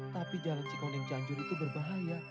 tapi jalan cikoneng cianjur itu berbahaya